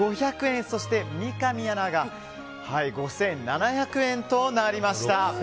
そして三上アナが５７００円となりました。